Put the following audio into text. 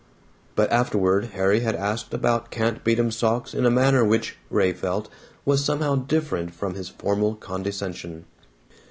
But afterward Harry had asked about Kantbeatum socks in a manner which, Ray felt, was somehow different from his former condescension.